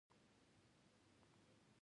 تشنج د دوی کاروبار دی.